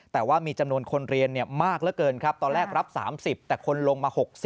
แต่ว่ามีจำนวนคนเรียนมากเหลือเกินครับตอนแรกรับ๓๐แต่คนลงมา๖๐